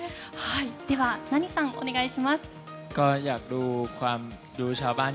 ではナニさん、お願いします。